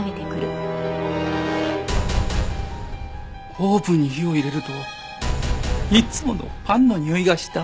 オーブンに火を入れるといつものパンのにおいがした。